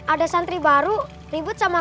ada santri baru ribut sama